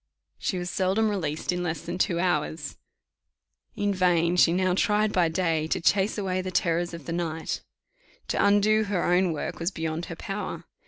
She was seldom released in less than two hours. In vain she now tried by day to chase away the terrors of the night: to undo her own work was beyond her power.